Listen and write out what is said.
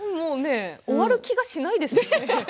終わる気がしないですね。